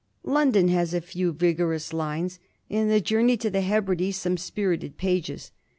"London" has a few vigorous lines, and the "Journey to the Hebrides" some spirited pages.